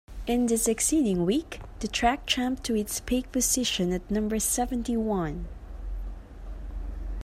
In the succeeding week, the track jumped to its peak position at number seventy-one.